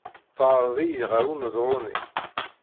Teɛreḍ-iyi ɣer uneḍru-nni.